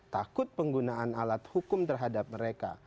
takut penggunaan alat hukum terhadap mereka